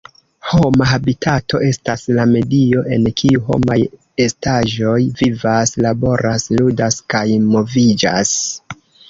Homa habitato estas la medio en kiu homaj estaĵoj vivas, laboras, ludas kaj moviĝas.